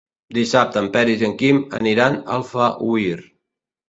Dissabte en Peris i en Quim aniran a Alfauir.